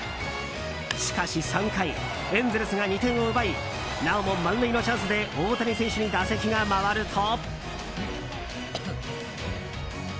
しかし３回エンゼルスが２点を奪いなおも満塁のチャンスで大谷選手に打席が回ると。